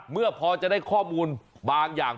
เมื่อพอจะได้ข้อมูลบางอย่าง